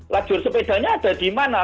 lajur sepedanya ada di mana